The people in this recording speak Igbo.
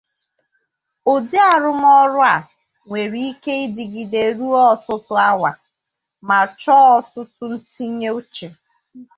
Ụdị arụmọrụ a nwere ike ịdịgide ruo ọtụtụ awa ma chọọ ọtụtụ ntinye uche.